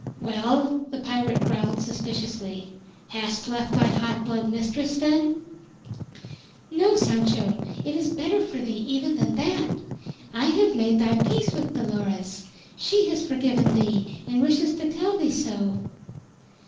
"Well?" the pirate growled suspiciously. "Hast left thy hot blood mistress, then?" "No, Sancho. It is better for thee even than that. I have made thy peace with Dolores. She has forgiven thee, and wishes to tell thee so."